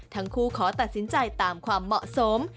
ขอตัดสินใจตามความเหมาะสม